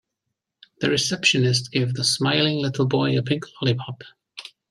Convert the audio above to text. The receptionist gave the smiling little boy a pink lollipop.